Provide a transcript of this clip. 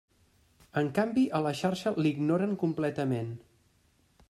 En canvi a la xarxa l'ignoren completament.